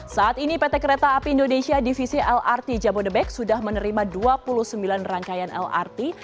saat ini pt kereta api indonesia divisi lrt jabodebek sudah menerima dua puluh sembilan rangkaian lrt